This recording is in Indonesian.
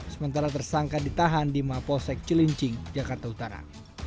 sementara tersangka ditahan di mapolsek cilincing jakarta utara